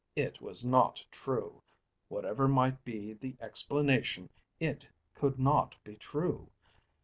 It was not true. Whatever might be the explanation, it could not be true.